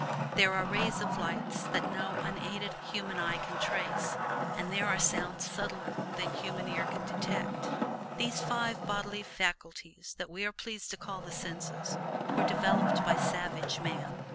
There are rays of light that no unaided human eye can trace, and there are sounds subtler than human ear can detect. These five bodily faculties that we are pleased to call the senses were developed by savage man.